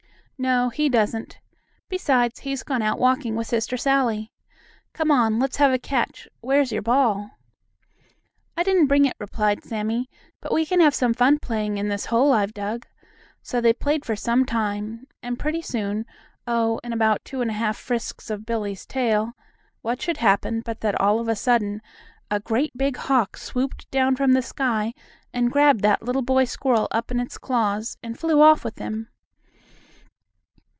"No, he doesn't. Besides he's gone out walking with Sister Sallie. Come on, let's have a catch. Where's your ball?" "I didn't bring it," replied Sammie. "But we can have some fun playing in this hole I've dug." So they played for some time, and pretty soon, oh, in about two and a half frisks of Billie's tail, what should happen, but that, all of a sudden, a great big hawk swooped down from the sky and grabbed that little boy squirrel up in its claws, and flew off with him.